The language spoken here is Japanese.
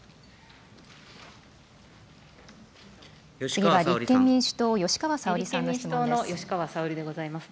次は立憲民主党、吉川沙織さんの質問です。